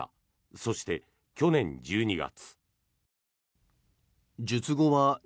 そして、去年１２月。